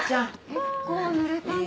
結構ぬれたね。